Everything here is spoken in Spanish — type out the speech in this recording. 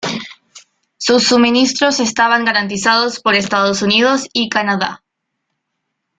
Sus suministros estaban garantizados por Estados Unidos y Canadá.